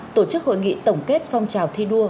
tổ chức hội nghị tổng kết phong trào thi đua